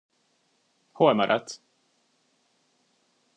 Hol maradsz?